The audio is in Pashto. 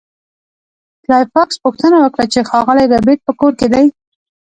سلای فاکس پوښتنه وکړه چې ښاغلی ربیټ په کور کې دی